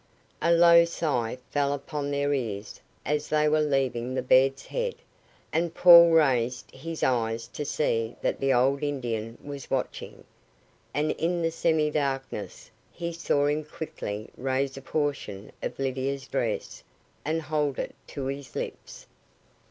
A low sigh fell upon their ears as they were leaving the bed's head, and Paul raised his eyes to see that the old Indian was watching, and in the semi darkness he saw him quickly raise a portion of Lydia's dress and hold it to his lips.